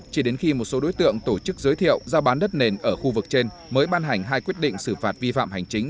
chỉ đến khi một số đối tượng tổ chức giới thiệu giao bán đất nền ở khu vực trên mới ban hành hai quyết định xử phạt vi phạm hành chính